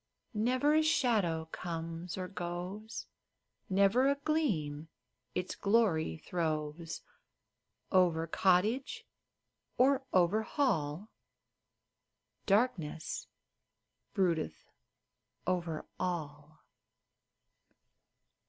Never a shadow comes or goes, Never a gleam its glory throws Over cottage or over hall — Darkness broodeth over all